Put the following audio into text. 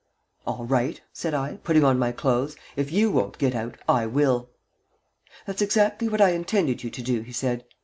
"All right," said I, putting on my clothes. "If you won't get out, I will." "That's exactly what I intended you to do," he said.